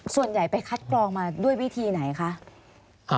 ส่วนใหญ่ไปคัดกรองมาด้วยวิธีไหนคะ